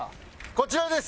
こちらです！